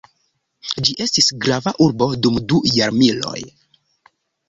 Ĝi estis grava urbo dum du jarmiloj.